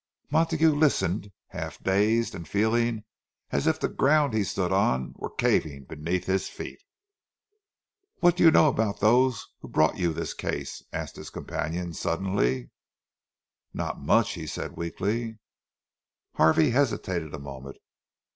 Montague listened, half dazed, and feeling as if the ground he stood on were caving beneath his feet. "What do you know about those who brought you this case?" asked his companion, suddenly. "Not much," he said weakly. Harvey hesitated a moment.